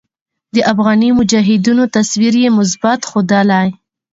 د افغاني مجاهدينو تصوير ئې مثبت ښودلے